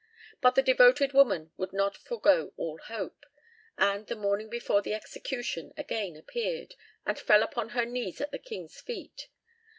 But the devoted woman would not forego all hope, and, the morning before the execution, again appeared, and fell upon her knees at the king's feet.